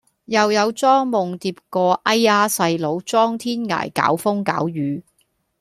又有莊夢蝶個哎呀細佬莊天涯搞風搞雨